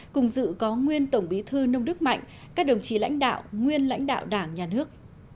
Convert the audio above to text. cùng dự có nguyên tổng bí thư nông đức mạnh các đồng chí lãnh đạo nguyên lãnh đạo đảng nhà nước